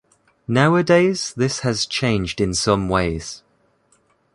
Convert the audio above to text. Nowadays this has changed in some ways.